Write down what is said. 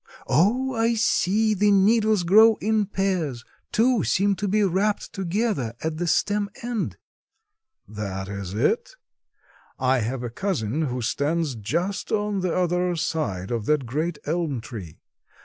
Oh, I see. The needles grow in pairs. Two seem to be wrapped together at the stem end." "That is it. I have a cousin who stands just on the other side of that great elm tree.